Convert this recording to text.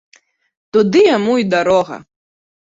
Туды яму і дарога!